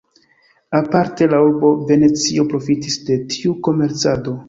Aparte la urbo Venecio profitis de tiu komercado.